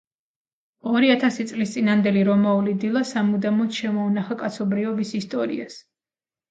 ორიათასი წლის წინანდელი რომაული დილა სამუდამოდ შემოუნახა კაცობრიობის ისტორიას.